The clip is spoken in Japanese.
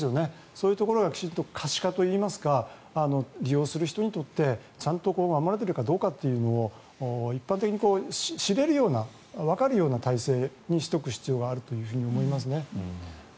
そういうところが可視化というか利用する人にとってちゃんと守れているかどうかというのを一般的に知れるようなわかるような体制にしておく必要があると思います。